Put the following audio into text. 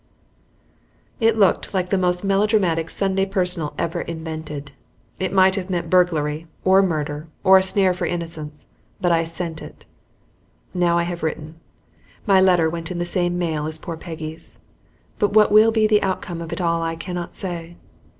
It looked like the most melodramatic Sunday personal ever invented. It might have meant burglary or murder or a snare for innocence, but I sent it. Now I have written. My letter went in the same mail as poor Peggy's, but what will be the outcome of it all I cannot say.